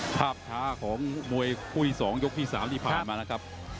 ภาพท้าของมวยคุยสองยกที่สามที่ผ่านมานะครับ